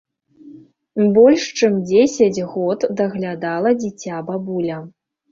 Больш чым дзесяць год даглядала дзіця бабуля.